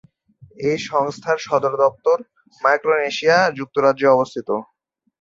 এই সংস্থার সদর দপ্তর মাইক্রোনেশিয়া যুক্তরাজ্যে অবস্থিত।